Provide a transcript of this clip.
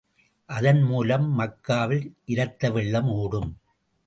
அதன் மூலம் மக்காவில் இரத்த வெள்ளம் ஒடும்.